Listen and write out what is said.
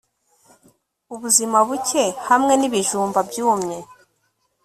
Ubuzima buke hamwe nibijumba byumye